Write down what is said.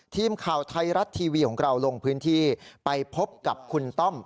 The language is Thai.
ทีมข่าวไทยรัฐทีวีของเราลงพื้นที่ไปพบกับคุณต้อม